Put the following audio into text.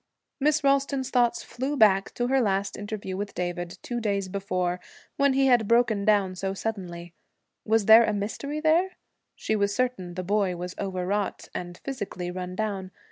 Miss Ralston's thoughts flew back to her last interview with David, two days before, when he had broken down so suddenly. Was there a mystery there? She was certain the boy was overwrought, and physically run down.